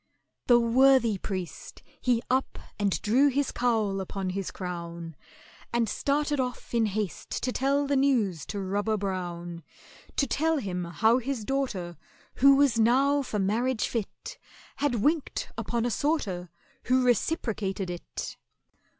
The worthy priest, he up and drew his cowl upon his crown, And started off in haste to tell the news to ROBBER BROWN— To tell him how his daughter, who was now for marriage fit, Had winked upon a sorter, who reciprocated it.